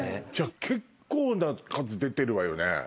じゃあ結構な数出てるわよね。